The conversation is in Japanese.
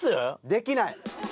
できない。